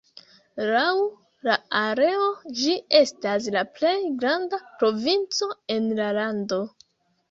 Laŭ la areo ĝi estas la plej granda provinco en la lando.